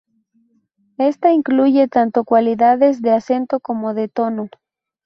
Ésta incluye tanto cualidades de acento como de tono.